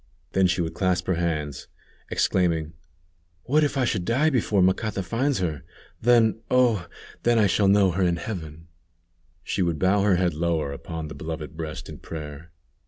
Then she would clasp her hands, exclaiming: "What if I should die before Macata finds her? Then, oh! then, I shall know her in heaven," she would bow her head lower upon the beloved breast in prayer.